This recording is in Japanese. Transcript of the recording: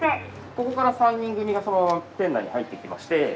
ここから３人組がそのまま店内に入ってきまして。